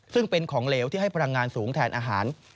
ซึ่งเป็นของเหลวที่ให้พลังงานสูงแทนอาหาร